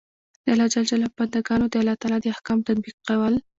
د الله ج په بندګانو د الله تعالی د احکام تطبیقول.